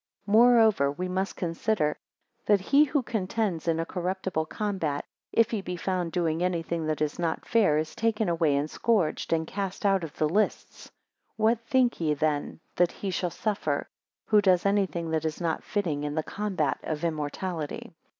12 Moreover, we must consider, that he who contends in a corruptible combat; if he be found doing anything that is not fair, is taken away and scourged, and cast out of the lists. What think ye then that he shall suffer, who does anything that is not fitting in the combat of immortality?